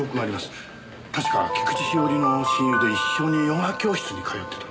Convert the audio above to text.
確か菊地詩織の親友で一緒にヨガ教室に通ってた。